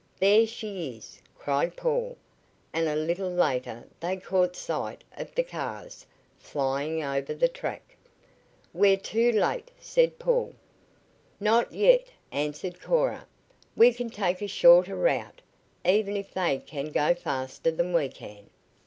"There she is!" cried Paul; and a little later they caught sight of the cars, flying over the track. "We're too late," said Paul. "Not yet," answered Cora. "We can take a shorter route, even if they can go faster than we can."